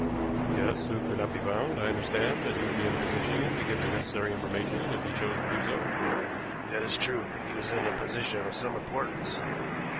"Yes, who cannot be found. I understand that he would be in a position to give the necessary information if he chose to do so?" "That is true. He was in a position of some importance."